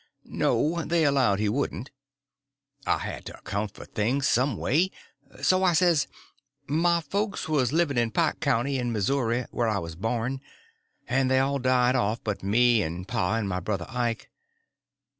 _" No, they allowed he wouldn't. I had to account for things some way, so I says: "My folks was living in Pike County, in Missouri, where I was born, and they all died off but me and pa and my brother Ike.